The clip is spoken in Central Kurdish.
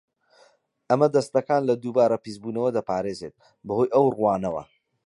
ئەمە دەستەکان لە دووبارە پیسبوونەوە دەپارێزێت بەهۆی ئەو ڕووانەوە.